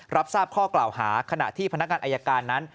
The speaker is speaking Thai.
รับทราบข้อกล่าวหาขณะที่พนักงานอายการนั้น